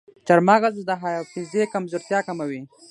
چارمغز د حافظې کمزورتیا کموي.